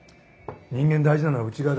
人間大事なのは内側だ。